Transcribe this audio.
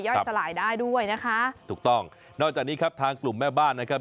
สลายได้ด้วยนะคะถูกต้องนอกจากนี้ครับทางกลุ่มแม่บ้านนะครับ